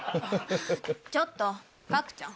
ちょっと角ちゃん。